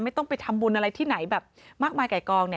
ต้องไปทำบุญอะไรที่ไหนแบบมากมายไก่กอง